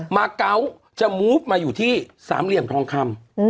มาเกาะจะมูฟมาอยู่ที่สามเหลี่ยมทองคำ